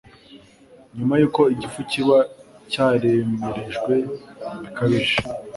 Nyuma y’uko igifu kiba cyaremerejwe bikabije